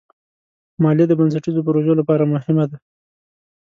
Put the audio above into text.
مالیه د بنسټیزو پروژو لپاره مهمه ده.